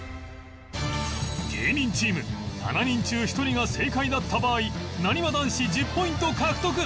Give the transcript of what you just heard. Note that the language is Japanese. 芸人チーム７人中１人が正解だった場合なにわ男子１０ポイント獲得